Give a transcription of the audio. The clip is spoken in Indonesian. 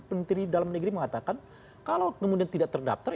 pentiri dalam negeri mengatakan kalau kemudian tidak terdaftar